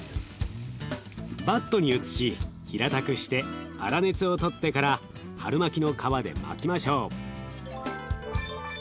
バットに移し平たくして粗熱を取ってから春巻きの皮で巻きましょう。